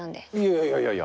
いやいやいや。